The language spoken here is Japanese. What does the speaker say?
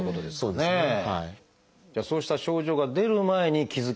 そうですよね。